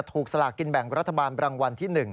สลากกินแบ่งรัฐบาลรางวัลที่๑